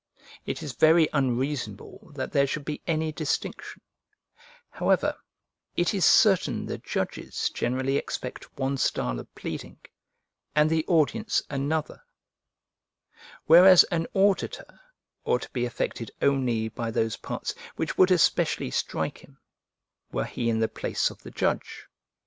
It is very unreasonable that there should be any distinction; however, it is certain the judges generally expect one style of pleading, and the audience another; whereas an auditor ought to be affected only by those parts which would especially strike him, were he in the place of the judge.